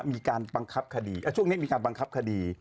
มีการบังคับคดีช่วงนี้มีการบังคับคดี